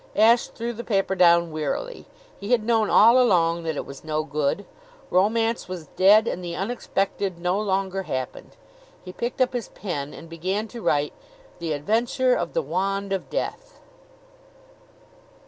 Ashe threw the paper down wearily. He had known all along that it was no good. Romance was dead and the unexpected no longer happened. He picked up his pen and began to write "The Adventure of the Wand of Death."